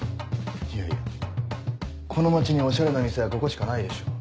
いやいやこの街におしゃれな店はここしかないでしょ。